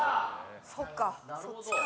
そっかそっちか。